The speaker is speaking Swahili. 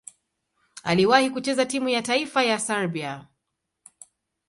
Aliwahi kucheza timu ya taifa ya Serbia.